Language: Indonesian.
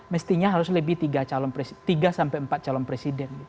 mestinya harus lebih tiga sampai empat calon presiden